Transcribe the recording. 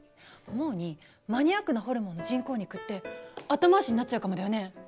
思うにマニアックなホルモンの人工肉って後回しになっちゃうかもだよね？